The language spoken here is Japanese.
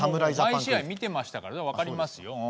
もう毎試合見てましたからね分かりますよ。